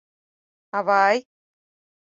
— Ава-а-а-й!